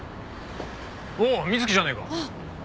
おお水木じゃねえか。